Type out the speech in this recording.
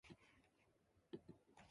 It was based in Dobbs Ferry, New York.